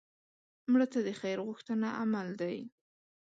مړه ته د خیر غوښتنه عمل دی